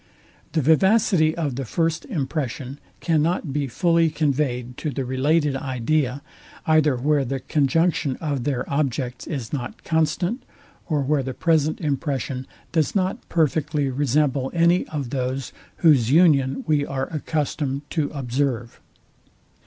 The vivacity of the first impression cannot be fully conveyed to the related idea, either where the conjunction of their objects is not constant, or where the present impression does not perfectly resemble any of those, whose union we are accustomed to observe.